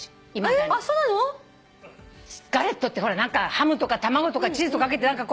ガレットってほらハムとか卵とかチーズとかかけて食事じゃん。